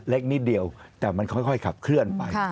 เล็กนิดเดียวแต่มันค่อยขับเคลื่อนไป